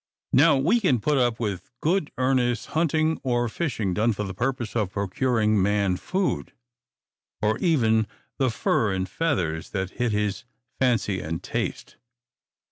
Now, we can put up with good earnest hunting or fishing done for the purpose of procuring for man food, or even the fur and feathers that hit his fancy and taste.